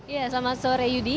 ya selamat sore yudi